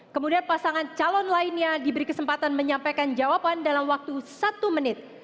kemudian pasangan calon lainnya diberi kesempatan menyampaikan jawaban dalam waktu satu menit